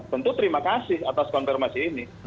tentu terima kasih atas konfirmasi ini